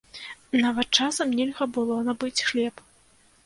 Нават часам нельга было набыць хлеб.